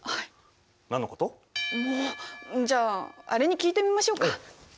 じゃああれに聞いてみましょうか。